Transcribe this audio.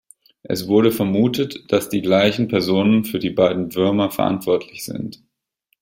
Es wurde vermutet, dass die gleichen Personen für die beiden Würmer verantwortlich sind.